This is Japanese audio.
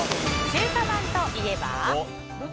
中華まんといえば？